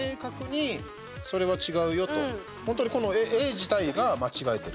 本当にこの絵自体が間違えてる。